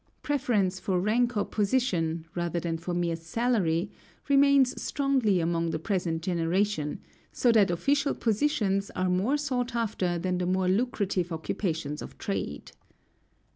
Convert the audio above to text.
Preference for rank or position, rather than for mere salary, remains strongly among the present generation, so that official positions are more sought after than the more lucrative occupations of trade.